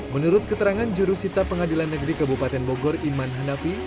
menurut keterangan jurusita pengadilan negeri kabupaten bogor iman hanafi